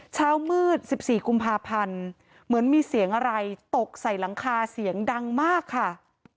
เช้ามืด๑๔กุมภาพันธ์เหมือนมีเสียงอะไรตกใส่หลังคาเสียงดังมากค่ะ